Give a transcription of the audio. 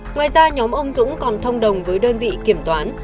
ngoài ra nhóm ông dũng còn thông đồng với đơn vị kiểm toán